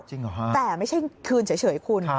จริงเหรอคะแต่ไม่ใช่คืนเฉยคุณ